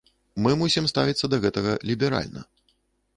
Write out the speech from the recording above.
Мы мусім ставіцца да гэтага ліберальна.